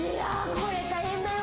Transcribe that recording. これ大変だよ。